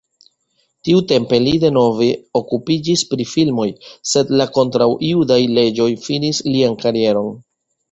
Tiutempe li denove okupiĝis pri filmoj, sed la kontraŭjudaj leĝoj finis lian karieron.